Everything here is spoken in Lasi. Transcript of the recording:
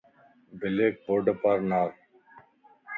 بليڪ بورڊ پار نار.